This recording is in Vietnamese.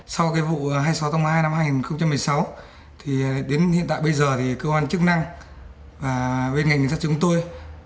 sau vụ hai mươi sáu tháng hai năm hai nghìn một mươi sáu đến hiện tại bây giờ cơ quan chức năng bên ngành đường sát chúng tôi